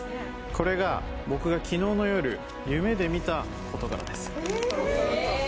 これが、僕が昨日の夜夢で見た事柄です。